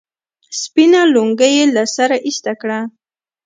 سپينه لونگۍ يې له سره ايسته کړه.